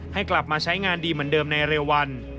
ให้กลับมาใช้งานดีเหมือนเดิมในเร็ววัน